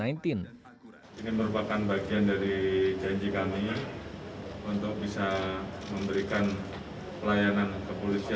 ini merupakan bagian dari janji kami untuk bisa memberikan pelayanan kepolisian